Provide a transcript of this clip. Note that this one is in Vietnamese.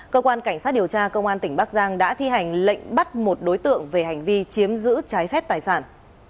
cơ quan cảnh sát điều tra công an tỉnh bắc giang đã thi hành lệnh bắt một đối tượng về hành vi chiếm giữ trái phép tài sản